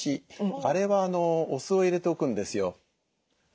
あれはお酢を入れておくんですよ。